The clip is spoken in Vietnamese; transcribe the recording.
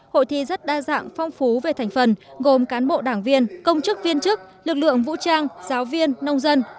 hội thi rất đa dạng phong phú về thành phần gồm cán bộ đảng viên công chức viên chức lực lượng vũ trang giáo viên nông dân